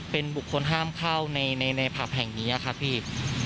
เป็นบุคคลห้ามเข้าในผับแห่งนี้ค่ะพี่